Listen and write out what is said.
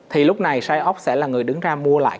thì lúc này sioc sẽ là người đứng ra mua lại